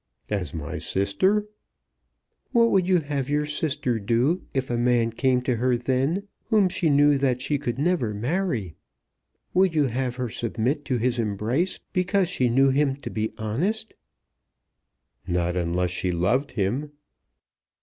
"As my sister?" "What would you have your sister do if a man came to her then, whom she knew that she could never marry? Would you have her submit to his embrace because she knew him to be honest?" "Not unless she loved him."